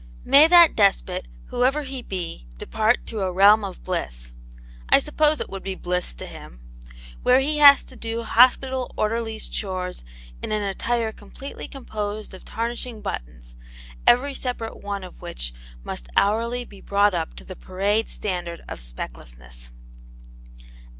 May that despot, whoever he be, depart to a realm of bliss I suppose it would be bliss to him where he has to do hospital orderlies' chores in an attire completely composed of tarnishing buttons, every separate one of which must hourly be brought up to the parade standard of specklessness.